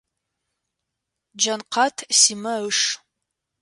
Джанкъат Симэ ыш.